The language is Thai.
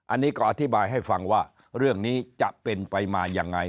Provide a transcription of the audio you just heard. อันนี้ก็อธิบายให้ฟังว่าเรื่องนี้จะเป็นไปมายังไง